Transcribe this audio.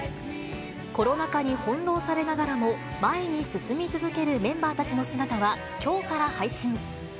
コロナ禍に翻弄されながらも、前に進み続けるメンバーたちの姿はきょうから配信。